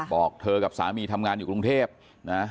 บอกเธอกับสามีทำงานอยู่กรุงเทพนะ